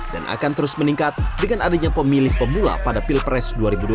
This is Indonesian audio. dan akan terus meningkat dengan adanya pemilih pemula pada pilpres dua ribu dua puluh empat